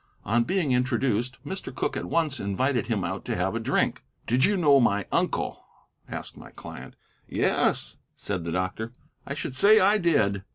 On being introduced, Mr. Cooke at once invited him out to have a drink. "Did you know my uncle?" asked my client. "Yes," said the doctor, "I should say I did."